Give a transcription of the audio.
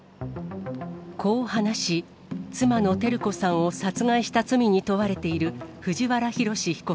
こう話し、妻の照子さんを殺害した罪に問われている、藤原宏被告